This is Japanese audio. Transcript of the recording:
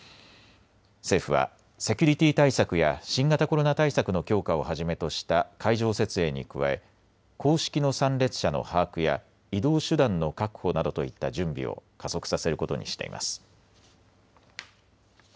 政府はセキュリティー対策や新型コロナ対策の強化をはじめとした会場設営に加え公式の参列者の把握や移動手段の確保などといった準備を加速させることにしています。